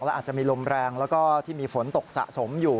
และอาจจะมีลมแรงแล้วก็ที่มีฝนตกสะสมอยู่